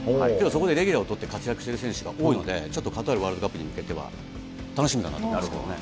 そこでレギュラーを取って活躍している選手が多いので、ちょっとカタールワールドカップに向けては楽しみだなって思いますけどね。